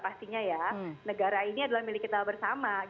pastinya ya negara ini adalah milik kita bersama